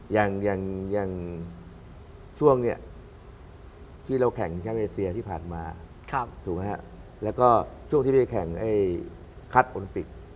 อย่างช่วงนี้ที่เราแข่งแชมป์เอเซียที่ผ่านมาถูกไหมฮะแล้วก็ช่วงที่ไปแข่งคัดโอลิมปิก